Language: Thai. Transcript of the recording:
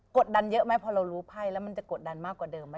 ดดันเยอะไหมพอเรารู้ไพ่แล้วมันจะกดดันมากกว่าเดิมไหม